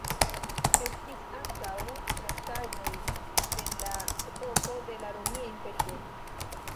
Estis ankaŭ restaĵoj de la epoko de la Romia Imperio.